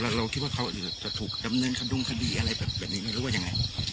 เราเราคิดว่าเขาจะถูกดำเนินขดุงคดีอะไรแบบแบบนี้แล้วหรือว่ายังไง